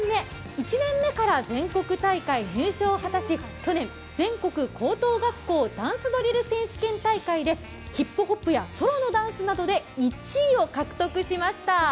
１年目から全国大会入賞を果たし去年、全国高等学校ダンスドリル選手権大会でヒップホップやソロのダンスなどで１位を獲得しました。